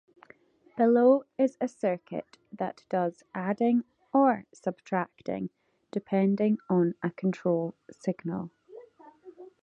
Below is a circuit that does adding "or" subtracting" depending on a control signal.